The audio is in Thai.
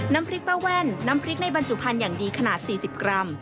น้ำพริกป้าแว่นน้ำพริกในบรรจุภัณฑ์อย่างดีขนาด๔๐กรัม